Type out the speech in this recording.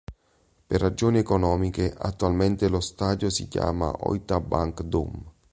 Per ragioni economiche attualmente lo stadio si chiama Ōita Bank Dome.